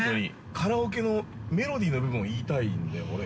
カラオケのメロディーの部分を言いたいんだよ、俺。